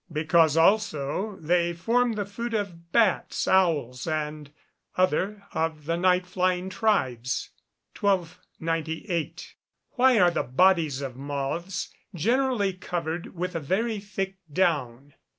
Because, also, they form the food of bats, owls, and other of the night flying tribes. 1298. _Why are the bodies of moths generally covered with a very thick down?